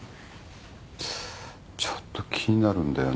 ちょっと気になるんだよな。